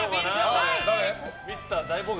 ミスター大冒険。